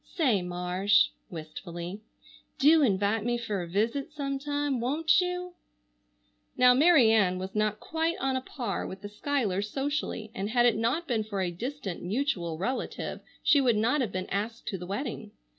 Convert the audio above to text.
Say, Marsh," wistfully, "do invite me fer a visit sometime, won't you?" Now Mary Ann was not quite on a par with the Schuylers socially, and had it not been for a distant mutual relative she would not have been asked to the wedding.